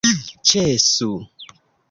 ĉesu